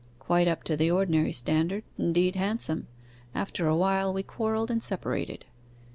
'Quite up to the ordinary standard indeed, handsome. After a while we quarrelled and separated.